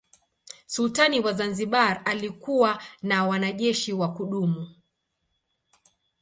Sultani wa Zanzibar alikuwa na wanajeshi wa kudumu.